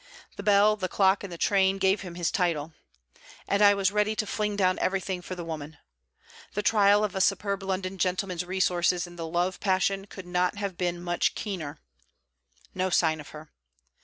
The bell, the clock and the train gave him his title. 'And I was ready to fling down everything for the woman!' The trial of a superb London gentleman's resources in the love passion could not have been much keener. No sign of her.